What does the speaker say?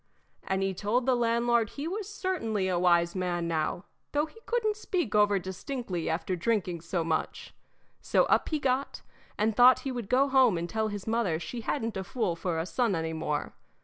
And he told the landlord he was certainly a wise man now, though he couldn't speak over distinctly after drinking so much. So up he got, and thought he would go home and tell his mother she hadn't a fool for a son any more.